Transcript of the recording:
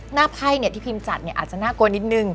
หน้าไพ่ที่พิมพ์จัดอาจจะน่ากลนิดนึง